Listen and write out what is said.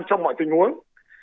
trong mọi tình huống